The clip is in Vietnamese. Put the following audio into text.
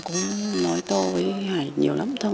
cũng nói to với hải nhiều lắm